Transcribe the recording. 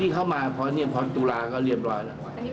เข้ามาพอตุลาก็เรียบร้อยแล้ว